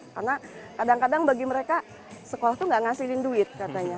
karena kadang kadang bagi mereka sekolah itu tidak menghasilkan duit katanya